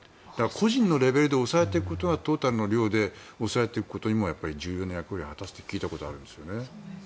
個人のレベルで抑えることはトータルの量で抑えていくことにも重要な役割を果たしていくと聞いたことがあるんですよね。